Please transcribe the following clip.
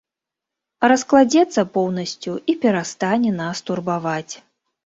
Раскладзецца поўнасцю і перастане нас турбаваць.